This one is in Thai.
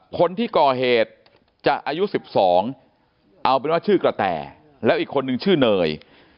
คนที่ก่อเหตุจะอายุ๑๒เอาเป็นว่าชื่อกระแต่แล้วอีกคนนึงชื่อเนย